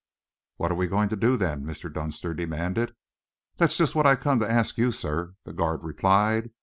"What are we going to do, then?" Mr. Dunster demanded. "That's just what I've come to ask you, sir," the guard replied.